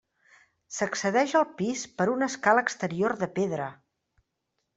S'accedeix al pis per una escala exterior de pedra.